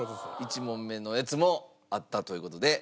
１問目のやつもあったという事で。